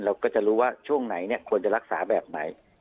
เราก็จะรู้ว่าช่วงไหนควรจะรักษาแบบไหน